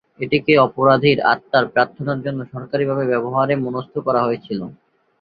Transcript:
এটিকে অপরাধীর আত্মার প্রার্থনার জন্য সরকারিভাবে ব্যবহারে মনস্থ করা হয়েছিল।